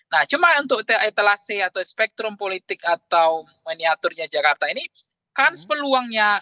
nah cuma untuk etalasi atau spektrum politik atau miniaturnya jakarta ini kan peluangnya